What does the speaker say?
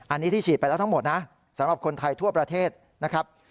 อันนี้ที่ฉีดไปแล้วทั้งหมดนะสำหรับคนไทยทั่วประเทศนะครับ